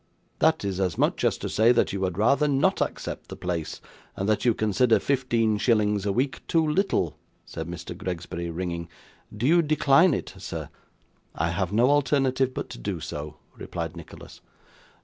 'That is as much as to say that you had rather not accept the place, and that you consider fifteen shillings a week too little,' said Mr Gregsbury, ringing. 'Do you decline it, sir?' 'I have no alternative but to do so,' replied Nicholas.